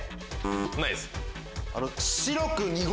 ないです。